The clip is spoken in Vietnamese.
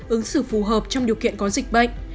ứng xử phù hợp trong điều kiện có dịch bệnh